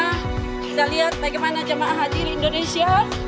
kita lihat bagaimana jemaah haji di indonesia